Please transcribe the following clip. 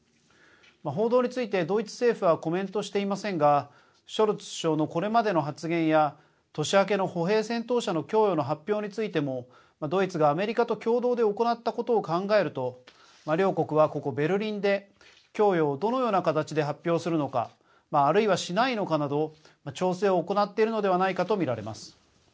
報道について、ドイツ政府はコメントしていませんがショルツ首相のこれまでの発言や年明けの歩兵戦闘車の供与の発表についてもドイツがアメリカと共同で行ったことを考えると両国は、ここベルリンで供与をどのような形で発表するのかあるいは、しないのかなど調整を行っているのではないかと見られます。